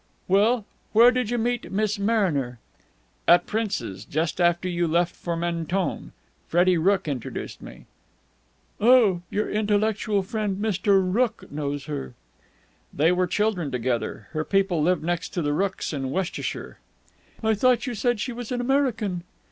"Well, where did you meet Miss Mariner?" "At Prince's. Just after you left for Mentone. Freddie Rooke introduced me." "Oh, your intellectual friend Mr. Rooke knows her?" "They were children together. Her people lived next to the Rookes in Worcestershire." "I thought you said she was an American."